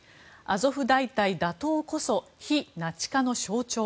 １アゾフ大隊打倒こそ非ナチ化の象徴。